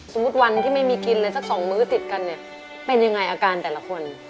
วันที่ไม่มีกินเลยสักสองมื้อติดกันเนี่ยเป็นยังไงอาการแต่ละคน